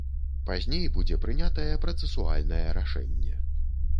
Пазней будзе прынятае працэсуальнае рашэнне.